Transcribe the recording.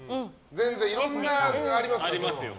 全然いろんなのがありますから。